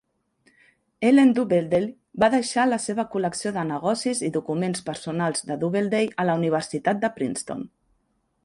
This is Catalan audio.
Ellen Doubleday va deixar la seva col·lecció de negocis i documents personals de Doubleday a la Universitat de Princeton.